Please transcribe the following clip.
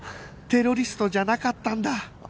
テロリストじゃなかったんだ